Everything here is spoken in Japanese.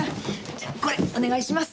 じゃあこれお願いします。